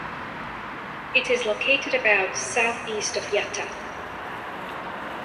It is located about southeast of Yatta.